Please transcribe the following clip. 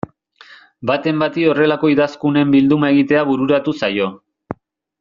Baten bati horrelako idazkunen bilduma egitea bururatu zaio.